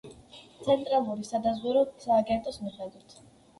ცენტრალური სადაზვერვო სააგენტოს მიხედვით.